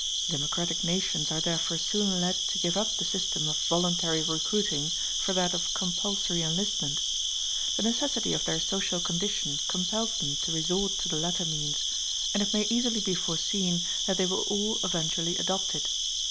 Democratic nations are therefore soon led to give up the system of voluntary recruiting for that of compulsory enlistment. The necessity of their social condition compels them to resort to the latter means, and it may easily be foreseen that they will all eventually adopt it.